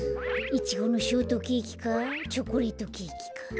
イチゴのショートケーキかチョコレートケーキか。